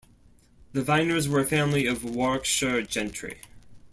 The Vyners were a family of Warwickshire gentry.